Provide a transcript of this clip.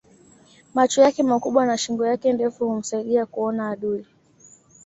macho yake makubwa na shingo yake ndefu humsaidia kuona adui